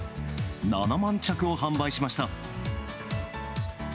７万着を販売しました。